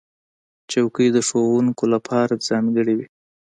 چوکۍ د ښوونکو لپاره ځانګړې وي.